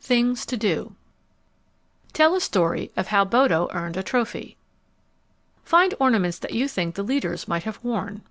THINGS TO DO Tell a story of how Bodo earned a trophy. _Find ornaments that you think the leaders might have worn.